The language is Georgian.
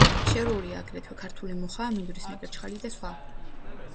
შერეულია აგრეთვე ქართული მუხა, მინდვრის ნეკერჩხალი და სხვა.